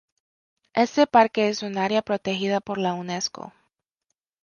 Este parque es un área protegida por la Unesco.